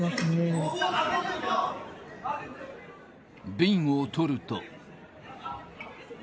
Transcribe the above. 瓶を取ると。